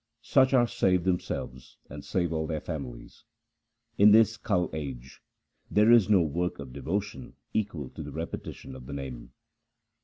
Such are saved themselves and save all their families. In this kal age there is no work of devotion equal to the repetition of the Name.